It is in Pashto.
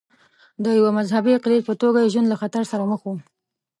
د یوه مذهبي اقلیت په توګه یې ژوند له خطر سره مخ و.